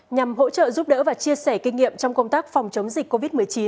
nhằm hỗ trợ giúp đỡ và chia sẻ kinh nghiệm trong công tác phòng chống dịch covid một mươi chín